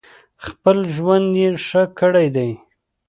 خپل ژوند یې ښه کړی دی.